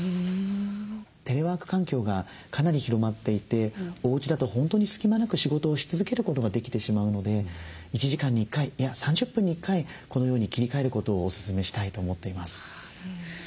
テレワーク環境がかなり広まっていておうちだと本当に隙間なく仕事をし続けることができてしまうので１時間に１回３０分に１回このように切り替えることをおすすめしたいと思っています。